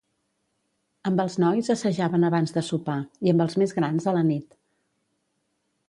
Amb els nois assajaven abans de sopar, i amb els més grans a la nit.